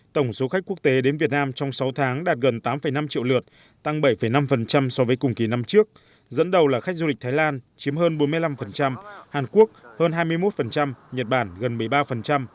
tổng số khách quốc tế đến việt nam trong sáu tháng đạt gần tám năm triệu lượt tăng bảy năm so với cùng kỳ năm trước dẫn đầu là khách du lịch thái lan chiếm hơn bốn mươi năm hàn quốc hơn hai mươi một nhật bản gần một mươi ba